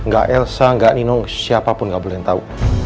gak elsa gak ninong siapapun gak boleh tau